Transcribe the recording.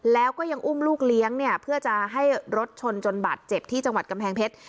แล้วก็ยังอุ้มลูกเลี้ยงเนี่ยเพื่อจะให้รถชนจนบาดเจ็บที่จังหวัดกำแพงเพชร